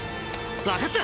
分かった！